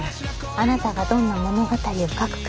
あなたがどんな物語を書くか。